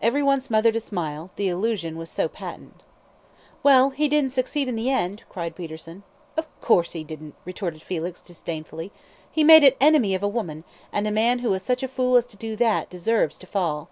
Every one smothered a smile, the allusion was so patent. "Well, he didn't succeed in the end," cried Peterson. "Of course he didn't," retorted Felix, disdainfully; "he made an enemy of a woman, and a man who is such a fool as to do that deserves to fall."